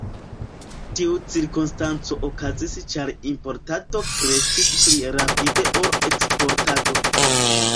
Tiu cirkonstanco okazis ĉar importado kreskis pli rapide ol eksportado.